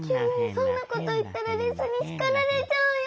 そんなこと言ったらレスにしかられちゃうよ！